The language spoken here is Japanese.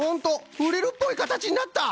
フリルっぽいかたちになった！